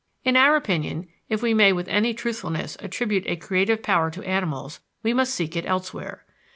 In our opinion, if we may with any truthfulness attribute a creative power to animals, we must seek it elsewhere.